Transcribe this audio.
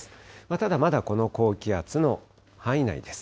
ただ、まだこの高気圧の範囲内です。